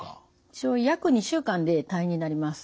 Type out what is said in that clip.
一応約２週間で退院になります。